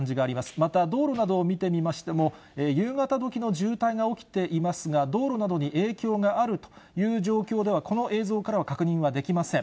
また道路などを見てみましても、夕方時の渋滞が起きていますが、道路などに影響があるという状況では、この映像からは確認はできません。